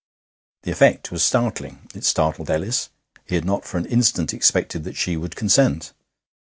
The effect was startling. It startled Ellis. He had not for an instant expected that she would consent.